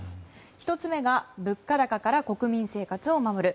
１つ目が物価高から国民生活を守る。